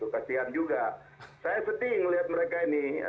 kasihan juga saya seting lihat mereka ini